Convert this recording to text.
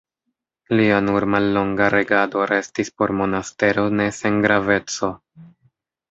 Lia nur mallonga regado restis por Monastero ne sen graveco.